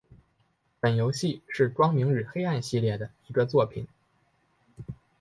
本游戏是光明与黑暗系列的一个作品。